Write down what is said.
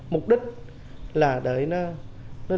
mục đích là để nó